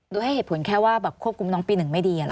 ดูให้เหตุผลแค่ว่าแบบควบคุมน้องปี๑ไม่ดีหรอกค่ะ